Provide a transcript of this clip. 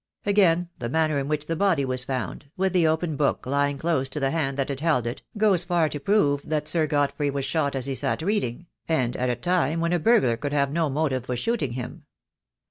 Again, the manner in which the body was found, with the open book lying I T 6 THE DAY WILL COME. close to the hand that had held it, goes far to prove that Sir Godfrey was shot as he sat reading — and at a time when a burglar could have no motive for shooting him."